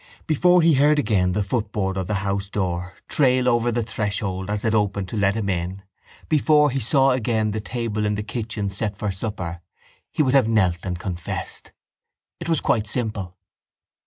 Before he heard again the footboard of the housedoor trail over the threshold as it opened to let him in, before he saw again the table in the kitchen set for supper he would have knelt and confessed. It was quite simple.